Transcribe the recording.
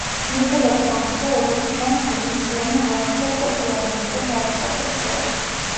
მიუხედავად ამისა, როგორც ჩანს, დომიციანე უაღრესად პოპულარული იყო ჯარისკაცებს შორის.